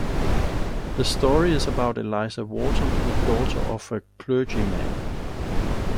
The story is about Eliza Wharton, the daughter of a clergyman.